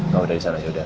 kalau udah disana ya udah